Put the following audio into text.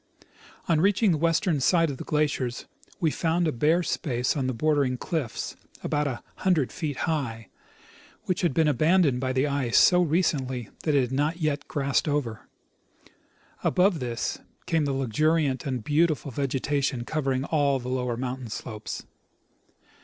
On reaching the western side of the glacier we found a bare space on the bordering cliffs, about a hundred feet high, which 112 I. C. Russell — Expedition to Mount St. Ellas. has been abandoned by the ice so recently that it is not yet grassed over. Above this came the luxuriant and beautiful vegetation covering all the lower mountain slopes.